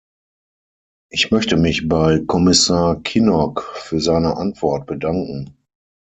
Ich möchte mich bei Kommissar Kinnock für seine Antwort bedanken.